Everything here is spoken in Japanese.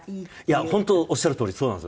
いや本当おっしゃるとおりそうなんですよ。